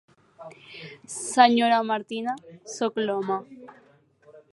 Senyora Martina, soc l'home.